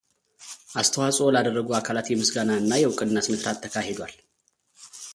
አስተዋጽኦ ላደረጉ አካላት የምሥጋና እና የዕውቅና ሥነ ሥርዓት ተካሂዷል።